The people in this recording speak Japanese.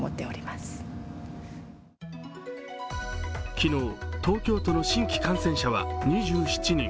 昨日、東京都の新規感染者は２７人。